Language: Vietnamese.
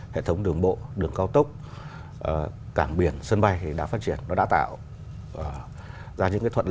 hệ thống đường bộ đường cao tốc cảng biển sân bay đã phát triển